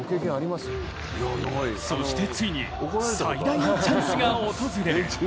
そして、ついに、最大のチャンスが訪れる。